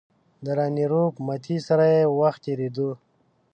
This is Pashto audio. د راني روپ متي سره یې وخت تېرېدو.